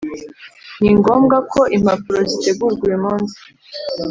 ] ni ngombwa ko impapuro zitegurwa uyu munsi.